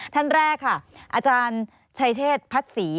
ท่านแรกค่ะอาจารย์ชัยเชษพัดศรี